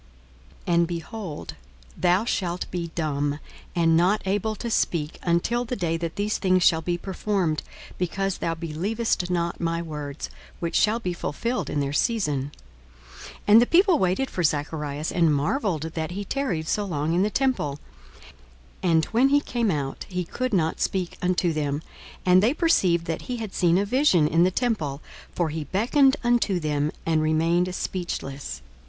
42:001:020 And, behold, thou shalt be dumb, and not able to speak, until the day that these things shall be performed, because thou believest not my words, which shall be fulfilled in their season. 42:001:021 And the people waited for Zacharias, and marvelled that he tarried so long in the temple. 42:001:022 And when he came out, he could not speak unto them: and they perceived that he had seen a vision in the temple: for he beckoned unto them, and remained speechless.